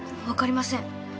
わかりません。